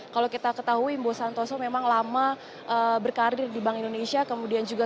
kalau kita ketahui wimbo santoso memang lama berkarir di bank indonesia